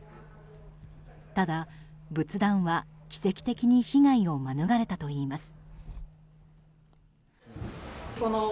ただ仏壇は奇跡的に被害を免れたといいます。